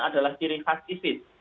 adalah kiri khas isis